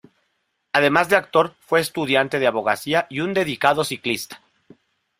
Además de actor fue estudiante de abogacía y un dedicado ciclista.